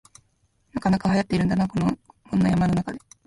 なかなかはやってるんだ、こんな山の中で